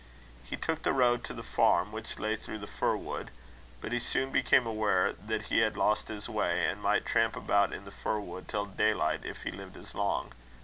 He took the road to the farm, which lay through the fir wood; but he soon became aware that he had lost his way and might tramp about in the fir wood till daylight, if he lived as long.